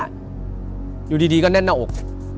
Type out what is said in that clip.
อยู่ดีก็แน่นหน้าอก